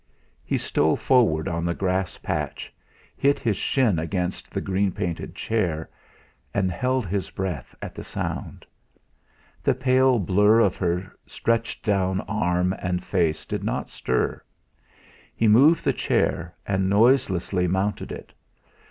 He stole forward on the grass patch, hit his shin against the green painted chair, and held his breath at the sound. The pale blur of her stretched down arm and face did not stir; he moved the chair, and noiselessly mounted it.